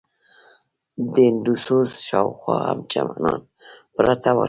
د هندوسوز شاوخوا هم چمنان پراته ول.